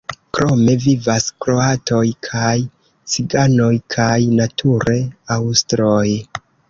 Krome vivas kroatoj kaj ciganoj kaj nature aŭstroj.